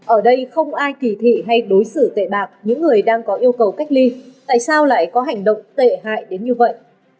ở đây không ai kỳ thị hay đối xử tệ bạc những người đang có yêu cầu cách ly tại sao lại có hành động tệ hại đến như vậy